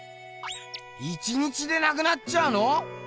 １日でなくなっちゃうの？